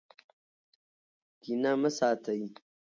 کینه مه ساتئ.